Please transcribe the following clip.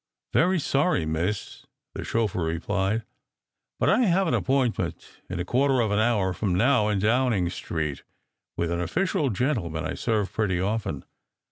"Very sorry, Miss," the chauffeur replied, "but I have 300 SECRET HISTORY 301 an appointment in a quarter of an hour from now in Down ing Street with an official gentleman I serve pretty often.